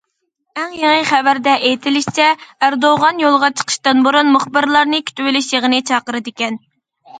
ئەڭ يېڭى خەۋەردە ئېيتىلىشىچە، ئەردوغان يولغا چىقىشتىن بۇرۇن مۇخبىرلارنى كۈتۈۋېلىش يىغىنى چاقىرىدىكەن.